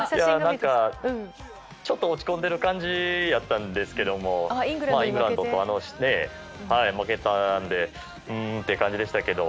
ちょっと落ち込んでいる感じだったんですけどイングランドに負けたのでうーんって感じでしたけど